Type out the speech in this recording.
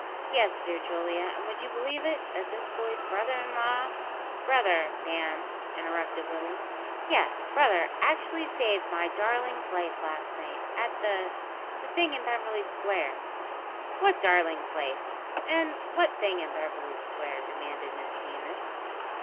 "Yes, dear Julia, and, would you believe it, that this boy's brother in law " "Brother, ma'am," interrupted Willie. "Yes, brother, actually saved my darling's life last night, at the the thing in Beverly Square." "What `darling's life,' and what `thing' in Beverly Square?" demanded Miss Deemas.